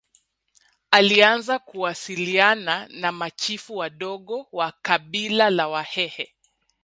Alianza kuwasiliana na machifu wadogo wa kabila la Wahehe